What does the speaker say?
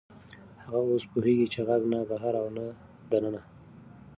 هغه اوس پوهېږي چې غږ نه بهر و او نه دننه.